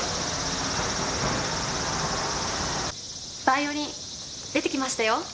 バイオリン出てきましたよ。